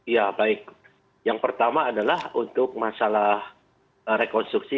ya baik yang pertama adalah untuk masalah rekonstruksi